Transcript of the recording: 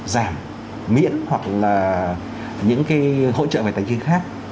giảm miễn hoặc là những cái hỗ trợ về tài chính khác